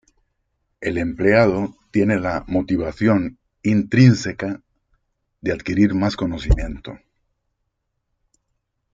El empleado tiene la motivación intrínseca de adquirir más conocimiento.